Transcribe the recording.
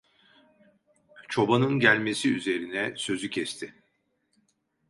Çobanın gelmesi üzerine sözü kesti.